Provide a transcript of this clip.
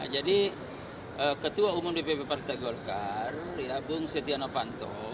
jadi ketua umum di pp partai golkar agung setia novanto